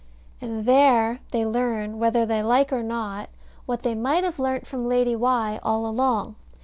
And there they learn, whether they like or not, what they might have learnt from Lady Why all along.